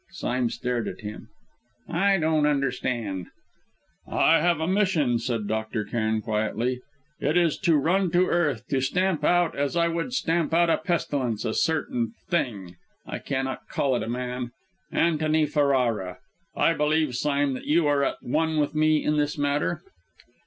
Sime stared at him. "I don't understand " "I have a mission," said Dr. Cairn quietly. "It is to run to earth, to stamp out, as I would stamp out a pestilence, a certain thing I cannot call it a man Antony Ferrara. I believe, Sime, that you are at one with me in this matter?"